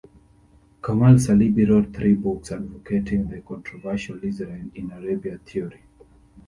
Kamal Salibi wrote three books advocating the controversial "Israel in Arabia" theory.